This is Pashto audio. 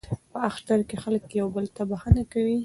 په اختر کې خلک یو بل ته بخښنه کوي.